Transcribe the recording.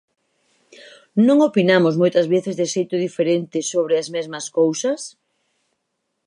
Non opinamos moitas veces de xeito diferente sobre as mesmas cousas?